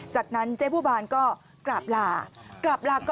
จากนั้นเจ๊บัวบานก็กลับหลากลับหลาก็